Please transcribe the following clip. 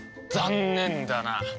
残念だな。